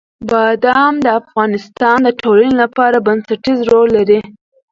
بادام د افغانستان د ټولنې لپاره بنسټيز رول لري.